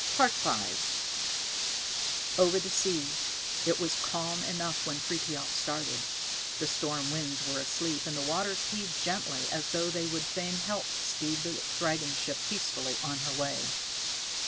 V Over the sea. It was calm enough when Frithiof started; the storm winds were asleep, and the waters heaved gently as though they would fain help speed the dragon ship peacefully on her way.